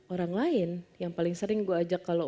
orang lain yang paling sering gue ajak kalau